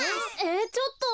えちょっと。